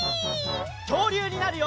きょうりゅうになるよ！